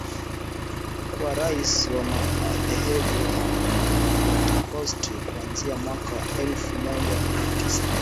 kuwa rais wa madehebu ya wapentekoste kuanzia mwaka elfu moja mia tisa themanini na